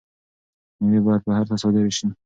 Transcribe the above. میوې باید بهر ته صادر شي.